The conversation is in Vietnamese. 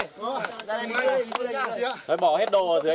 đi ra đây đi ra đây đi ra đây